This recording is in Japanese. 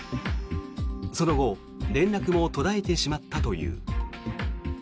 その後、連絡も途絶えてしまったという。